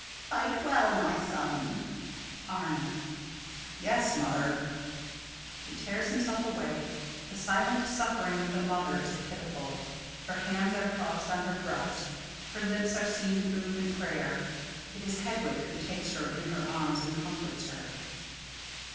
_] Fight well, my son. Arno: Yes, Mother. [_He tears himself away. The silent suffering of the mother is pitiful. Her hands are crossed on her breast, her lips are seen to move in prayer. It is Hedwig who takes her in her arms and comforts her.